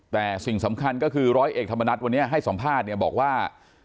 แต่สิ่งสำคัญก็คือร้อยเอกธรรมนัฐวันนี้ให้สัมภาษณ์เนี่ยบอกว่า